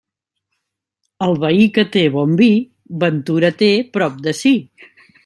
El veí que té bon vi, ventura té prop de si.